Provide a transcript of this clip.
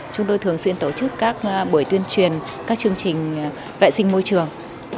chúng tôi thường xuyên tổ chức các buổi tuyên truyền các chương trình vệ sinh môi trường